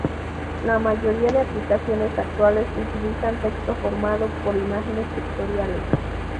La mayoría de aplicaciones actuales utilizan texto formado por imágenes vectoriales.